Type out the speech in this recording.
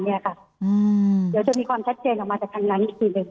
เดี๋ยวจะมีความชัดเจนออกมาจากทางนั้นอีกทีหนึ่ง